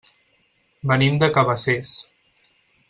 Venim de Cabacés.